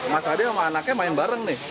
mas ade sama anaknya main bareng nih